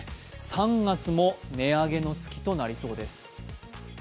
３月も値上げの月となりそうです。